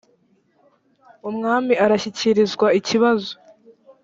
umwami arashyikirizwa ikibazo